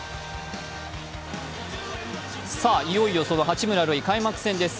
いよいよその八村塁、開幕戦です。